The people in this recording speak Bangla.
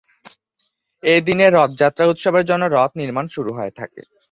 এই দিনে রথযাত্রা উৎসবের জন্য রথ নির্মাণ শুরু হয়ে থাকে।